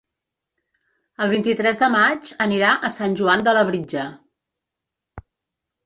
El vint-i-tres de maig anirà a Sant Joan de Labritja.